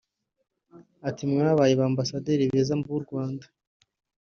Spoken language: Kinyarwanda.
Ati "Mwabaye ba Ambasaderi beza b’u Rwanda